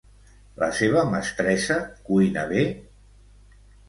La seva mestressa cuina bé?